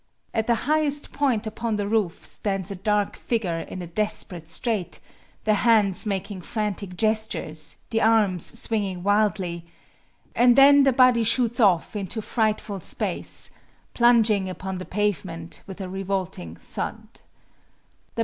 At the highest point upon the roof stands a dark figure in a desperate strait, the hands making frantic gestures, the arms swinging wildly and then the body shoots off into frightful space, plunging upon the pavement with a revolting thud.